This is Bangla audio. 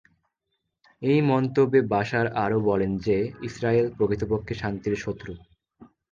এই মন্তব্যে বাশার আরও বলেন যে ইসরায়েল প্রকৃতপক্ষে শান্তির শত্রু।